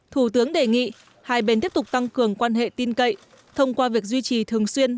thủ tướng đề nghị hai bên tiếp tục tăng cường quan hệ tin cậy thông qua việc duy trì thường xuyên